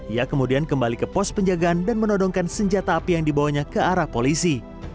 ia kemudian kembali ke pos penjagaan dan menodongkan senjata api yang dibawanya ke arah polisi